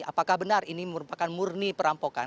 apakah benar ini merupakan murni perampokan